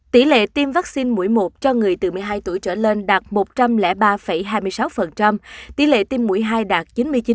tỷ lệ tiêm vaccine mũi một cho người từ một mươi hai tuổi trở lên đạt một trăm linh ba hai mươi sáu tỷ lệ tiêm mũi hai đạt chín mươi chín